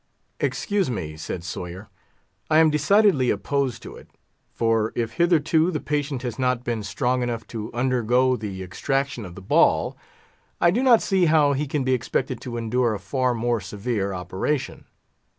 "Excuse me," said Sawyer, "I am decidedly opposed to it; for if hitherto the patient has not been strong enough to undergo the extraction of the ball, I do not see how he can be expected to endure a far more severe operation.